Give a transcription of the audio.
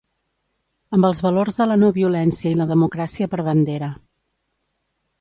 Amb els valors de la no violència i la democràcia per bandera.